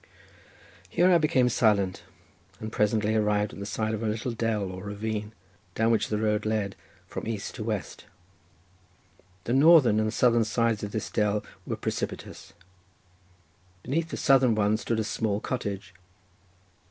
Here I became silent, and presently arrived at the side of a little dell or ravine, down which the road led from east to west. The northern and southern sides of this dell were precipitous. Beneath the southern one stood a small cottage.